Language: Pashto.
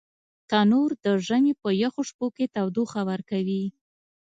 تنور د ژمي په یخو شپو کې تودوخه ورکوي